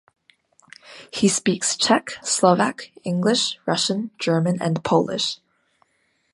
He speaks Czech, Slovak, English, Russian, German and Polish.